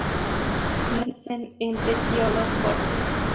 Nacen en pecíolos cortos.